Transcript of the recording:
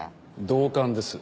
同感です。